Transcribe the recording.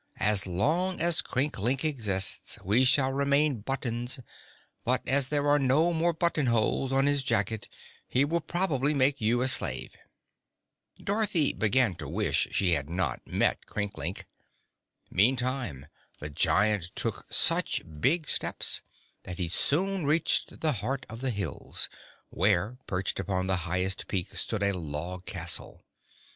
"As long as Crinklink exists we shall remain buttons, but as there are no more buttonholes on his jacket he will probably make you a slave." Dorothy began to wish she had not met Crinklink. Meantime, the giant took such big steps that he soon reached the heart of the hills, where, perched upon the highest peak, stood a log castle.